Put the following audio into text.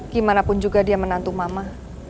gimanapun juga dia menantu mama